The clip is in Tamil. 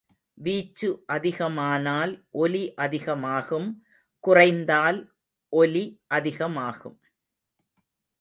வீச்சு அதிகமானால் ஒலி அதிகமாகும் குறைந்தால் ஒலி அதிகமாகும்.